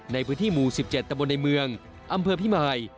ในพื้นที่หมู่๑๗ตะบนในเมืองอำเภอพิมาย